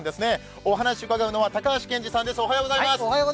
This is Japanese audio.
お話を伺うのは高橋賢次さんです。